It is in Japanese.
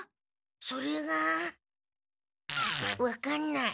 それがわかんない。